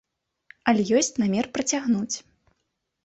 Але ёсць намер працягнуць.